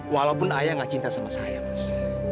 walaupun ayah gak cinta sama saya mas